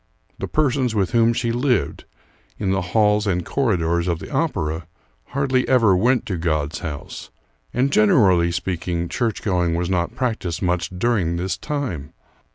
The persons with whom she lived, in the halls and corridors of the opera, hardly ever went to God's house; and generally speaking, church going was not practiced much during this time.